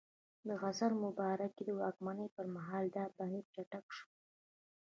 د حسن مبارک د واکمنۍ پر مهال دا بهیر چټک شو.